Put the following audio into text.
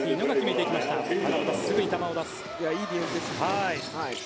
いいディフェンスです。